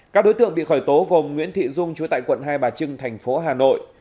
các đối tượng bị khởi tố gồm nguyễn thị dung chú tại quận hai bà trưng thành phố hà nội